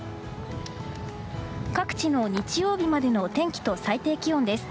各地の日曜日までの転機と最低気温です。